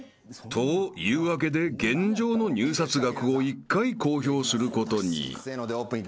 ［というわけで現状の入札額を一回公表することに］せのオープン！